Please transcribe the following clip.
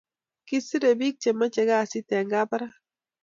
Kisire pik che moche kasit en kabarak